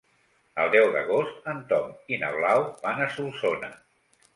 El deu d'agost en Tom i na Blau van a Solsona.